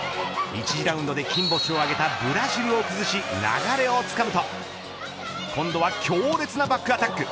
１次ラウンドで金星を挙げたブラジルを崩し流れをつかむと。今度は強烈なバックアタック。